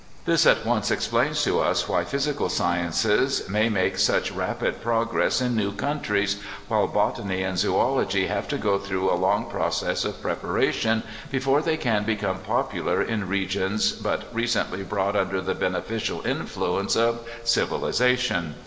This at once explains to us why physical sciences may make such rapid progress in new countries, while botany and zoology have to go through a loop process of preparation before they can become popular in regions but re cently brought under the beneficial influence of civilization.